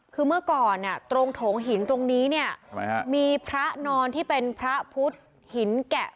คือเมื่อก่อนตรงโถงหินตรงนี้เนี่ยมีพระนอนที่เป็นพระพุทธหินแกะ